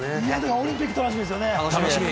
オリンピック楽しみですね。